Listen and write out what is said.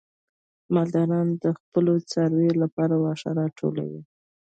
مالداران د خپلو څارویو لپاره واښه راټولوي.